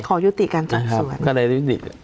ขอยุติการสอบสวน